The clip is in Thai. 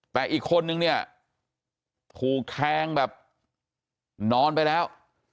แต่อีกคนนึงเนี่ยถูกแทงแบบนอนไปแล้ว